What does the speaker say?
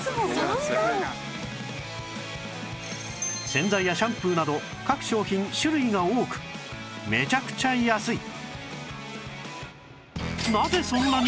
洗剤やシャンプーなど各商品種類が多くめちゃくちゃ安い！